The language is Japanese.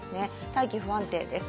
大気不安定です。